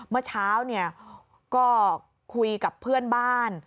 เมื่อเช้าเนี่ยก็คุยกับเพื่อนบ้าน